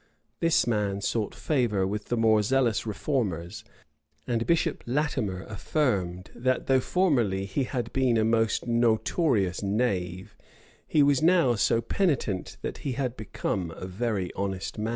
This man sought favor with the more zealous reformers; and Bishop Latimer affirmed that, though formerly he had been a most notorious knave, he was now so penitent that he had become a very honest man.